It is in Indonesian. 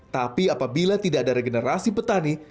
tapi apabila tidak ada regenerasi petani